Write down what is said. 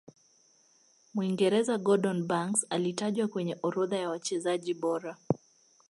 mwingereza gordon Banks alitajwa kwenye orodha ya wachezaji bora